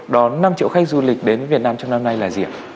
đón năm triệu khách du lịch đến việt nam trong năm nay là gì ạ